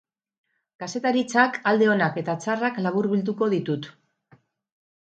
Kazetaritzak alde onak eta txarrak laburbilduko ditut.